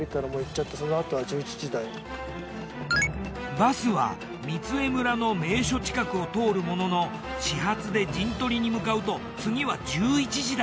バスは御杖村の名所近くを通るものの始発で陣取りに向かうと次は１１時台。